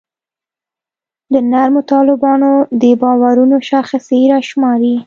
د نرمو طالبانو د باورونو شاخصې راشماري.